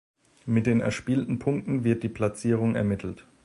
Mit den erspielten Punkten wird die Platzierung ermittelt.